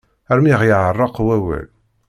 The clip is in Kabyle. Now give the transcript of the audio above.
Armi ɣ-yeɛreq wawal.